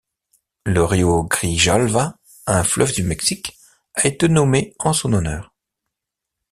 Le Río Grijalva, un fleuve du Mexique, a été nommé en son honneur.